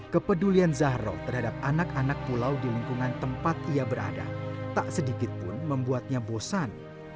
kepedulian zahro terhadap anak anak pulau di lingkungan tempat ia berada tak sedikit pun membuatnya bosan